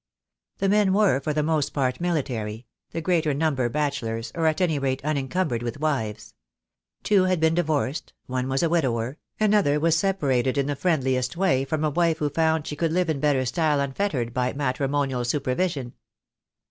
The men were for the most part military — the greater number bachelors, or at any rate unencumbered with wives. Two had been divorced, one was a widower, another was separated in the friendliest way from a wife who found she could live in better style unfettered by matrimonial supervision.